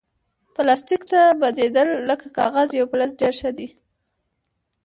پلاستيک ته بدیل لکه کاغذ یا فلز ډېر ښه دی.